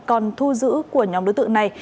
còn thu giữ của nhóm đối tượng này